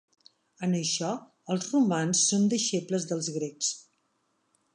En això els romans són deixebles dels grecs.